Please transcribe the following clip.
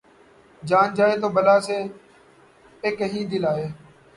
جان جائے تو بلا سے‘ پہ کہیں دل آئے